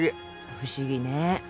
不思議ね。